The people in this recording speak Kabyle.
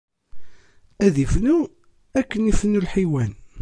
Ad ifnu akken ifennu lḥiwan.